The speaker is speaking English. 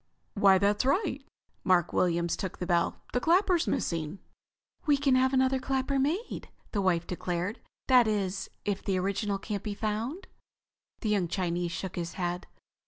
"Why, that's right." Mark Williams took the bell. "The clapper's missing." "We can have another clapper made," his wife declared. "That is, if the original can't be found?" The young Chinese shook his head.